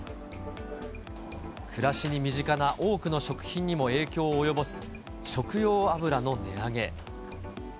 暮らしに身近な多くの食品にも影響を及ぼす食用油の値上げ。